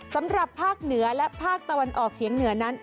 สำหรับภาคเหนือและภาคตะวันออกเฉียงเหนือนั้น